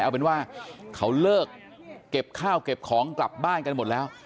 เอาเป็นว่าเขาเลิกเก็บข้าวเก็บของกลับบ้านกันหมดแล้ว